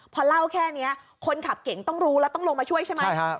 พอเล่าแค่นี้คนขับเก่งต้องรู้แล้วต้องลงมาช่วยใช่ไหม